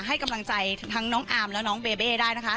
ให้กำลังใจทั้งน้องอาร์มและน้องเบเบ้ได้นะคะ